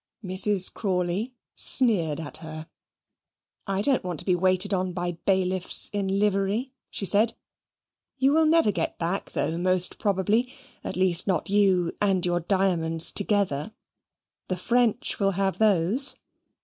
Mrs. Crawley sneered at her. "I don't want to be waited on by bailiffs in livery," she said; "you will never get back though most probably at least not you and your diamonds together. The French will have those.